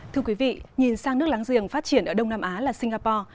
thưa quý vị nhìn sang nước láng giềng phát triển ở đông nam á là singapore